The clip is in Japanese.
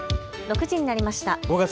６時になりました。